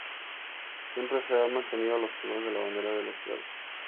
Siempre se han mantenido los colores de la bandera de la ciudad de Pereira.